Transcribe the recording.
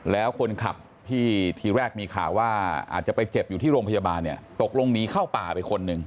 แล้วคนขับที่ทีแรกมีข่าวว่าอาจจะไปเจ็บอยู่ที่โรงพยาบาลเนี่ยตกลงหนีเข้าป่าไปคนหนึ่ง